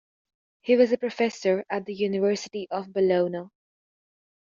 He was a professor at the University of Bologna.